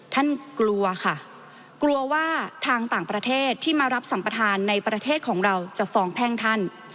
กลัวค่ะกลัวว่าทางต่างประเทศที่มารับสัมประธานในประเทศของเราจะฟองแพ่งท่าน